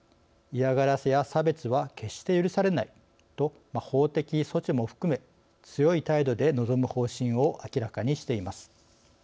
嫌がらせや差別は決して許されない」と法的措置も含め強い態度で臨む方針を明らかにしています。